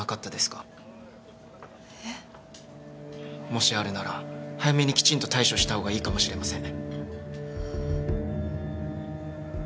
もしあるなら早めにきちんと対処した方がいいかもしれません。